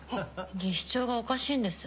技師長がおかしいんです。